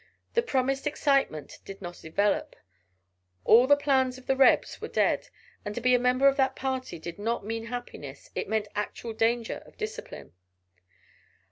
The promised excitement did not develop. All the plans of the Rebs were dead, and to be a member of that party did not mean happiness, it meant actual danger of discipline.